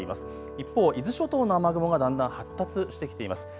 一方、伊豆諸島の雨雲がだんだん発達してきています。